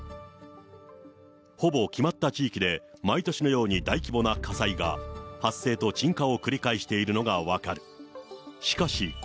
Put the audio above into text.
ほぼ決まった地域で、毎年のように大規模な火災が、発生と鎮火を繰り返しているのが分かる。